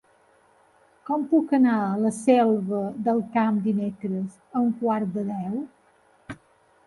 Com puc anar a la Selva del Camp dimecres a un quart de deu?